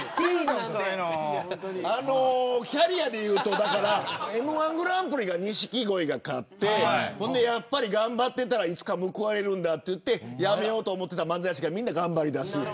キャリアでいうとＭ−１グランプリが錦鯉が勝って頑張っていたらいつか報われるんだといってやめようと思っていた漫才師が頑張りだす。